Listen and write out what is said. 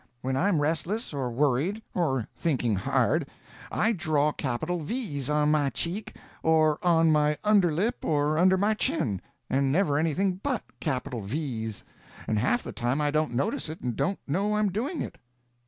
When I'm restless, or worried, or thinking hard, I draw capital V's on my cheek or on my under lip or under my chin, and never anything but capital V's—and half the time I don't notice it and don't know I'm doing it."